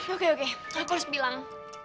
oke oke aku harus bilang